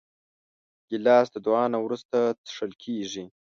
ګیلاس له دعا نه وروسته څښل کېږي.